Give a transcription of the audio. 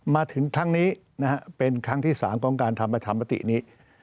มาถึงครั้งนี้นะฮะเป็นครั้งที่๓ของการทำประชามตินี้